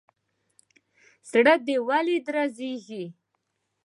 زړه دي ولي درزيږي.